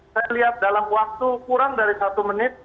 saya lihat dalam waktu kurang dari satu menit